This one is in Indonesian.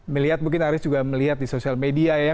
melihat mungkin aris juga melihat di sosial media ya